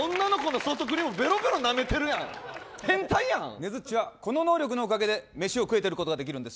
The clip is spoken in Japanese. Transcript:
ねづっちはこの能力のおかげで飯を食えていることができるんです。